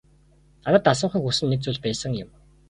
Надад асуухыг хүссэн нэг зүйл байсан юм.